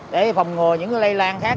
để phòng ngồi những cái lây lan khác